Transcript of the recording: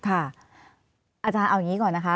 อาจารย์เอาอย่างนี้ก่อนนะคะ